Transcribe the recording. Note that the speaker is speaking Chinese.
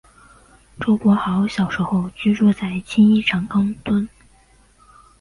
周柏豪小时候居住在青衣长康邨。